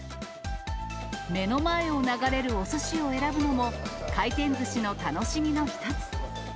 目の前を流れるおすしを選ぶのも、回転ずしの楽しみの一つ。